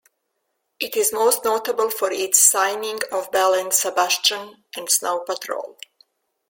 It is most notable for its signing of Belle and Sebastian and Snow Patrol.